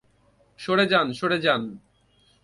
সরে যান, সরে যান।